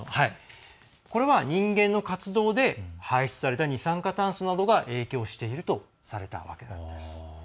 これは、人間の活動で排出された二酸化炭素などが影響しているとされたわけなんです。